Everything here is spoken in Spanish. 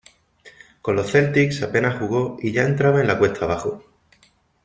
Con los Celtics apenas jugó y ya entraba en la cuesta abajo.